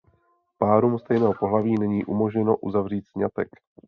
Párům stejného pohlaví není umožněno uzavřít sňatek.